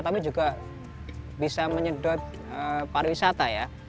tapi juga bisa menyedot pariwisata ya